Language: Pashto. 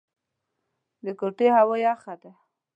د کوټې هوا يخه ده.